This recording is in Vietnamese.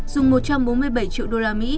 dùng một trăm bốn mươi bảy triệu usd